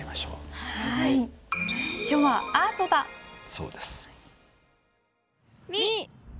そうです。